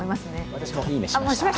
私はもう、いいねしました。